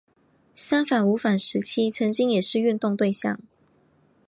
三反五反时期曾经也是运动对象。